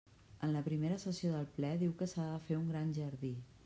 En la primera sessió del ple diu que s'ha de fer un gran jardí.